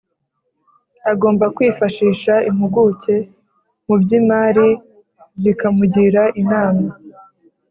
Agomba kwifashisha impuguke mu by’imari zikamugira inama